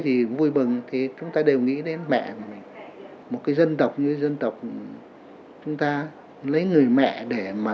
gì vui bừng thì chúng ta đều nghĩ đến mẹ một cái dân tộc như dân tộc chúng ta lấy người mẹ để mà